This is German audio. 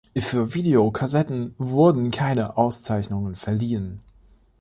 Für Videokassetten wurden keine Auszeichnung verliehen.